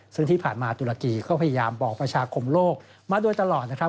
ซึ่งที่ผ่านมาตุรกีก็พยายามบอกประชาคมโลกมาโดยตลอดนะครับ